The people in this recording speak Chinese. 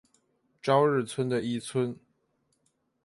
朝日村的一村。